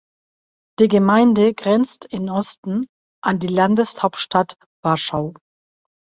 Die Gemeinde grenzt im Osten an die Landeshauptstadt Warschau.